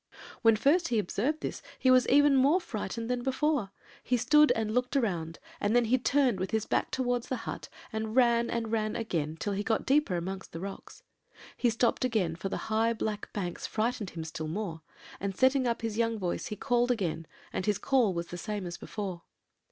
"When first he observed this, he was even more frightened than before; he stood and looked round, and then he turned with his back towards the hut, and ran and ran again, till he got deeper amongst the rocks. He stopped again, for the high black banks frightened him still more, and setting up his young voice he called again, and his call was the same as before.